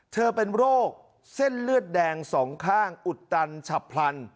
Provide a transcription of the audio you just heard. เธอเป็นโรคเส้นเลือดแดงสองข้างอุดตันฉับพลัน